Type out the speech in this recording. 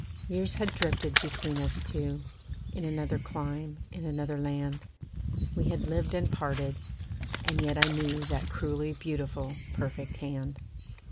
Years had drifted between us two, In another clime, in another land, We had lived and parted, and yet I knew That cruelly beautiful perfect hand.